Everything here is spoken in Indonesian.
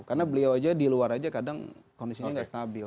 karena beliau aja di luar aja kadang kondisinya gak stabil